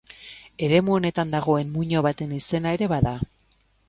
Eremu honetan dagoen muino baten izena ere bada.